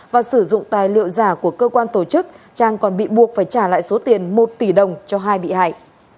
và sử dụng tài liệu giả của cơ quan tổ chức trang còn bị buộc phải trả lại số tiền một tỷ đồng cho hai bị hại